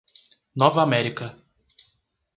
Nova América